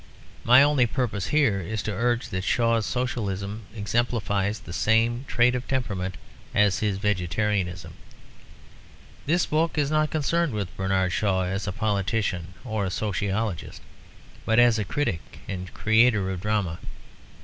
My only purpose here is to urge that Shaw's Socialism exemplifies the same trait of temperament as his vegetarianism. This book is not concerned with Bernard Shaw as a politician or a sociologist, but as a critic and creator of drama.